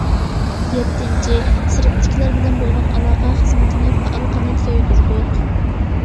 يەتتىنچى، سىرتتىكىلەر بىلەن بولغان ئالاقە خىزمىتىنى پائال قانات يايدۇردۇق.